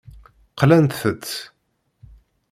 Qlant-t.